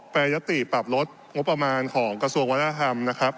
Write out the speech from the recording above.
ยติปรับลดงบประมาณของกระทรวงวัฒนธรรมนะครับ